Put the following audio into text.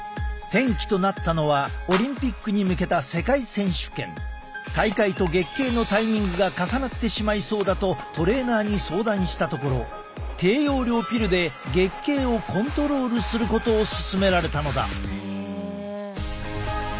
転機となったのは大会と月経のタイミングが重なってしまいそうだとトレーナーに相談したところ低用量ピルで月経をコントロールすることを勧められたのだ。